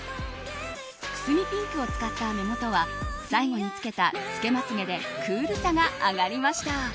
くすみピンクを使った目元は最後につけたつけまつ毛でクールさが上がりました。